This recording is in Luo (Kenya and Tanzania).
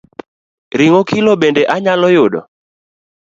Ring’o kilo bende anyalo yudo?